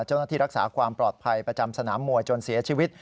เจ้าหน้าที่รักษาความปลอดภัยประจำสนามมวยจนเสียชีวิต